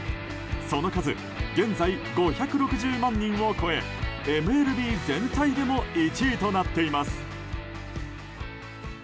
その数、現在５６０万人を超えＭＬＢ全体でも１位となっています。